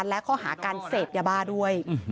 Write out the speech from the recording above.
และเขาหาการเศษยาบ้าด้วย